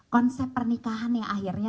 konsep pernikahan yang akhirnya